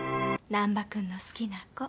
難破君の好きな子。